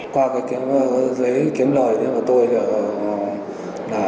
qua cái giấy kiếm lời thì tôi là